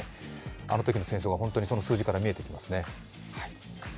あのときの戦争が本当にその数字から見えてきますね。